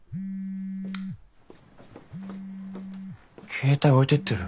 携帯置いてってる。